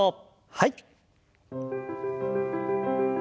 はい。